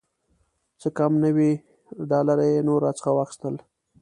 څه کم نوي ډالره یې نور راڅخه واخیستل.